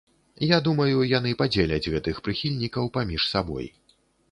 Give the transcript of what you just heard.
Я думаю, яны падзеляць гэтых прыхільнікаў паміж сабой.